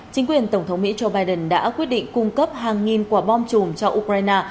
chính quyền tổng thống mỹ joe biden đã quyết định cung cấp hàng nghìn quả bom chùm cho ukraine